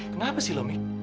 kenapa sih lo mik